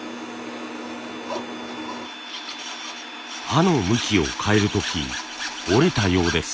刃の向きを変える時折れたようです。